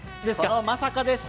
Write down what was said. そのまさかです！